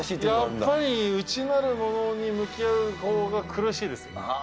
やっぱり内なるものに向き合うほうが苦しいです。